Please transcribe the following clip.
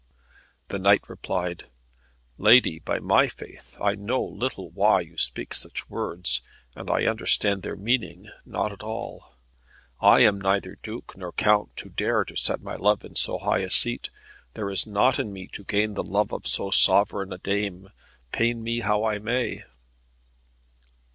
The knight replied, "Lady, by my faith, I know little why you speak such words, and I understand their meaning not at all. I am neither duke nor count to dare to set my love in so high a seat. There is nought in me to gain the love of so sovereign a dame, pain me how I may."